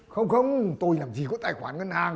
không không tôi làm gì có tài khoản ngân hàng